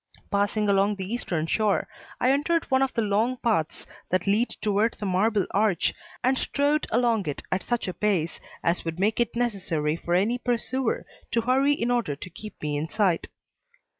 Passing along the eastern shore, I entered one of the long paths that lead towards the Marble Arch and strode along it at such a pace as would make it necessary for any pursuer to hurry in order to keep me in sight.